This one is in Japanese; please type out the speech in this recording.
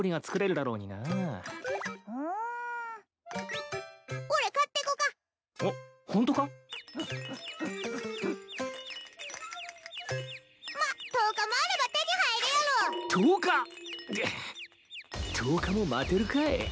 だっ１０日も待てるかい。